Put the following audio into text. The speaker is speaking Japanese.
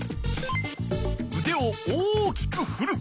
うでを大きくふる。